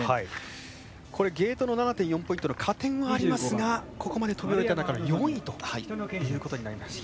ゲートの７．４ポイントの加点はありますがここまで飛んできた中の４位ということになりました。